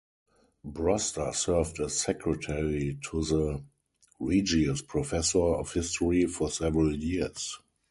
Broster served as secretary to the Regius Professor of History for several years.